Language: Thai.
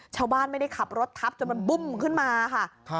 ชาวบ้านไม่ได้ขับรถทับจนมันบุ้มขึ้นมาค่ะ